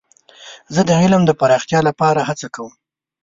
زه د علم د پراختیا لپاره هڅه کوم.